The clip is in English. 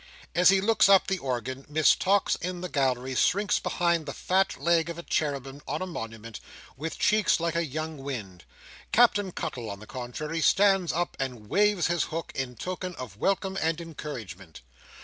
As he looks up at the organ, Miss Tox in the gallery shrinks behind the fat leg of a cherubim on a monument, with cheeks like a young Wind. Captain Cuttle, on the contrary, stands up and waves his hook, in token of welcome and encouragement.